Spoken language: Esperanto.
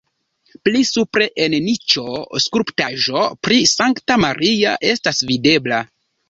Pli supre en niĉo skulptaĵo pri Sankta Maria estas videbla.